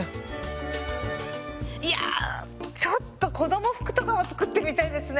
いやちょっと子供服とかも作ってみたいですね。